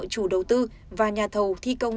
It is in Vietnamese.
chủ đầu tư và nhà thầu thi công